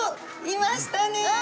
いましたね！